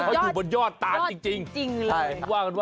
เขาอยู่บนยอดตาลจริง